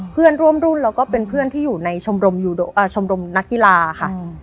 เพื่อนร่วมรุ่นแล้วก็เป็นเพื่อนที่อยู่ในชมรมนักกีฬาค่ะ